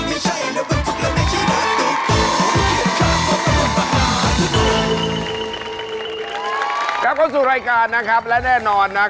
ในตัวเศร้าหรือพิชาพอดเวียนนาน